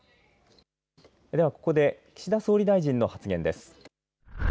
ではここで岸田総理大臣の発言です。